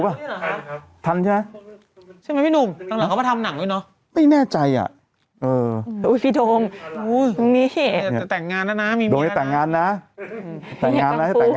จะแต่งงานแล้วนะมีเมียแล้วนะโดนให้แต่งงานนะอย่าตั้งฟูครับก่อน